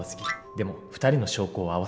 でも２人の証拠を合わせると。